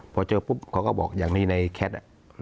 พอเจอปุ๊บเขาก็บอกอย่างนี้ในแคท